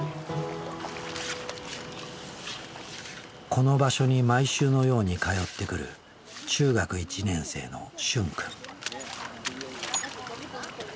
この場所に毎週のように通ってくる中学１年生のしゅん君。